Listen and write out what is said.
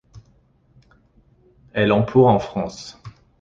Elle emploie en France.